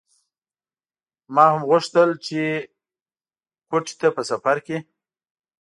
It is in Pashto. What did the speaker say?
ما هم غوښتل چې کوټې ته په سفر کې.